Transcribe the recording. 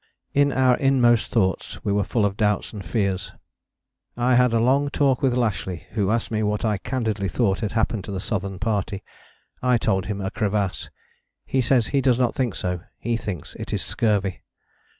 In our inmost thoughts we were full of doubts and fears. "I had a long talk with Lashly, who asked me what I candidly thought had happened to the Southern Party. I told him a crevasse. He says he does not think so: he thinks it is scurvy.